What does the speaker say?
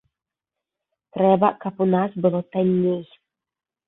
Трэба, каб у нас было танней.